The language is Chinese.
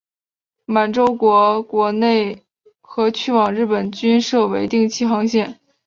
满洲国国内和去往日本均设为定期航线。